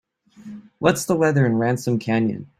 What's the weather in Ransom Canyon?